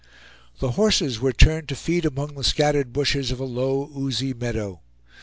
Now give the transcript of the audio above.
The horses were turned to feed among the scattered bushes of a low oozy meadow.